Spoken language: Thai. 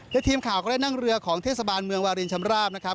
และทีมข่าวก็ได้นั่งเรือของเทศบาลเมืองวารินชำราบนะครับ